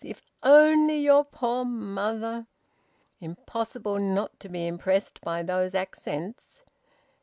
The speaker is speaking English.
If only your poor mother !" Impossible not to be impressed by those accents!